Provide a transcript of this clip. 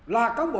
là cán bộ